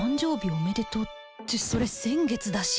おめでとうってそれ先月だし